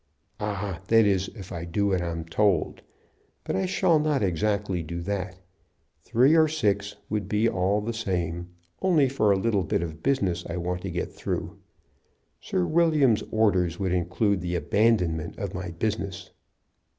"Ah! that is, if I do what I'm told. But I shall not exactly do that. Three or six would be all the same, only for a little bit of business I want to get through. Sir William's orders would include the abandonment of my business."